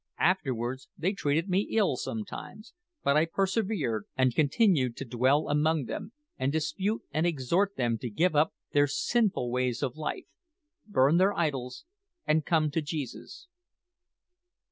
Afterwards they treated me ill, sometimes; but I persevered, and continued to dwell among them, and dispute, and exhort them to give up their sinful ways of life, burn their idols, and come to Jesus.